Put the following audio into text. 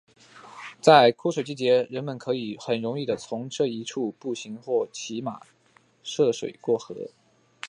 在枯水季节人们可以很容易的从这一处步行或骑马涉水过河。